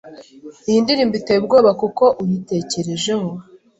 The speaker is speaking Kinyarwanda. iyi ndirimbo iteye ubwoba kuko uyitekerejeho